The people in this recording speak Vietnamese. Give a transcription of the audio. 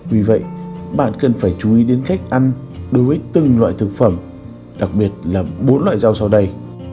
vì vậy bạn cần phải chú ý đến cách ăn đối với từng loại thực phẩm đặc biệt là bốn loại rau sau đây